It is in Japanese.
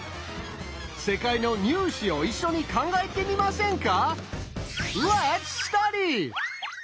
世界の入試を一緒に考えてみませんか？